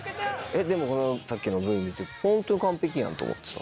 でもさっきのＶＴＲ見てホントに完璧やんと思ってさ。